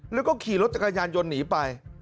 แล้วก็ขี่รถจักรยานยนต์หนีไป